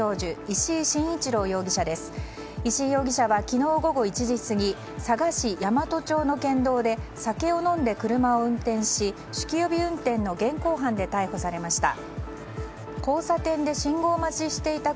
石井容疑者は昨日午後１時過ぎ佐賀市大和町の県道で酒を飲んで車を運転し酒気帯び運転の現行犯で逮捕されました。